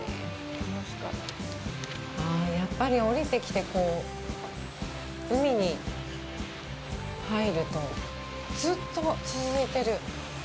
あぁ、やっぱり下りてきて海に入ると、ずっと続いてる。